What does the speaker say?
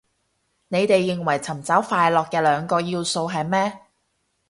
你哋認為尋找快樂嘅兩個要素係咩